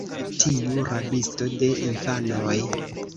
tiu rabisto de infanoj!